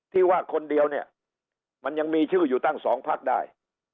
ที่ว่าคนเดียวเนี่ยมันยังมีชื่ออยู่ตั้ง๒พักได้